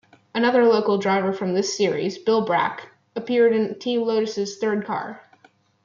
Another local driver from this series, Bill Brack, appeared in Team Lotus's third car.